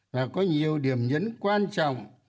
và có nhiều điểm nhấn quan trọng